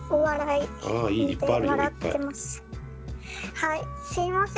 はいすいません。